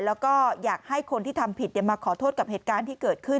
แล้วก็อยากให้คนที่ทำผิดมาขอโทษกับเหตุการณ์ที่เกิดขึ้น